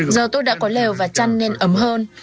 giờ tôi đã có lèo và chăn nên ẩm hơn